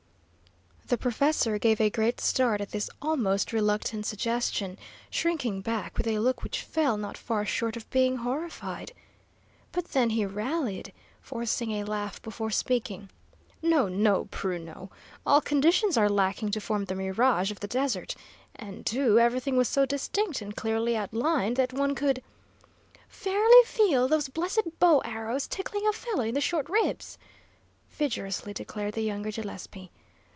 The professor gave a great start at this almost reluctant suggestion, shrinking back with a look which fell not far short of being horrified. But then he rallied, forcing a laugh before speaking. "No, no, Bruno. All conditions are lacking to form the mirage of the desert. And, too; everything was so distinct and clearly outlined that one could " "Fairly feel those blessed bow arrows tickling a fellow in the short ribs," vigorously declared the younger Gillespie.